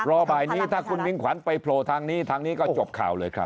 บ่ายนี้ถ้าคุณมิ่งขวัญไปโผล่ทางนี้ทางนี้ก็จบข่าวเลยครับ